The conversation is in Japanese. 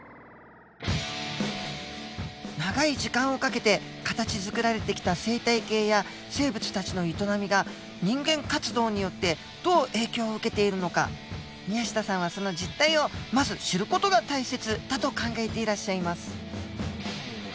長い時間をかけて形づくられてきた生態系や生物たちの営みが人間活動によってどう影響を受けているのか宮下さんはその実態をまず知る事が大切だと考えていらっしゃいます。